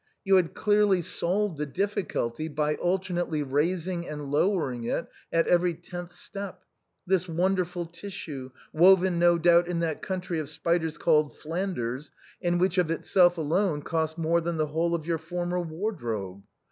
You had cleverly solved the difiiculty by alternately raising and lowering it at every tenth step; this wonderful tissue, woven, no doubt, in that country of spiders, called Flanders, and which of itself alone cost more than the whole of your former wardrobe.